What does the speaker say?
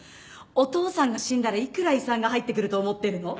お父さんが死んだら幾ら遺産が入って来ると思ってるの？